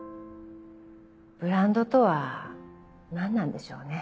ブランドとは何なんでしょうね。